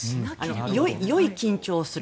よい緊張をする。